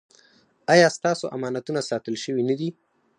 ایا ستاسو امانتونه ساتل شوي نه دي؟